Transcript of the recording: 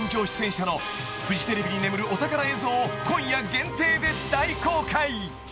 出演者のフジテレビに眠るお宝映像を今夜限定で大公開］